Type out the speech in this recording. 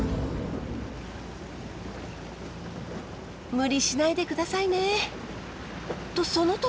無理しないで下さいね。とその時。